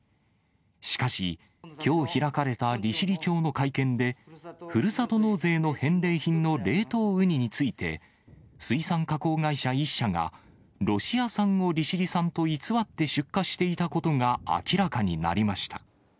しかし、きょう開かれた利尻町の会見で、ふるさと納税の返礼品の冷凍ウニについて、水産加工会社１社が、ロシア産を利尻産と偽って出荷していたことが明らかになりました。